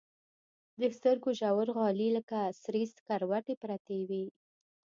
د سترګو ژورغالي لكه سرې سكروټې پرتې وي.